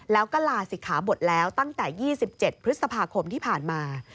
แล้วก็ลาศิกขาบทแล้วตั้งแต่๒๗พฤษภาคมที่ผ่านมา